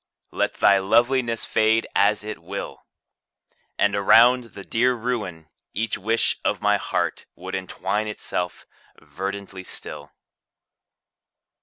Let thy loveliness fade as it will. And around the dear ruin each wish of my heart Would entwine itself verdantly still.